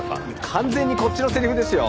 完全にこっちのせりふですよ！